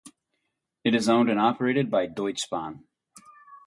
It is owned and operated by Deutsche Bahn.